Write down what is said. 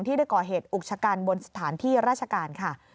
ได้ก่อเหตุอุกชะกันบนสถานที่ราชการค่ะ